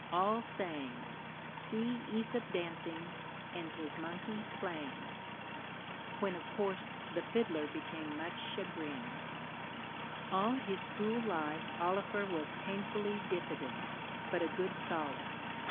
all saying, 'See Æsop dancing and his monkey playing;'" when, of course, the fiddler became much chagrined. [Illustration: OLIVER GOLDSMITH.] All his school life Oliver was painfully diffident, but a good scholar.